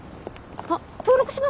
あっ登録しました？